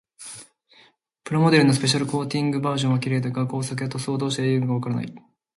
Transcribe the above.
プラモデルのスペシャルコーティングバージョンは綺麗だが、工作や塗装をどうしたらよいのかわからない。